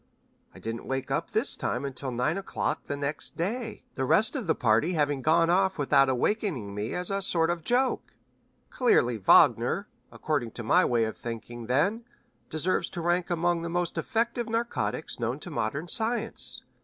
I didn't wake up this time until nine o'clock the next day, the rest of the party having gone off without awakening me as a sort of joke. Clearly Wagner, according to my way of thinking, then, deserves to rank among the most effective narcotics known to modern science.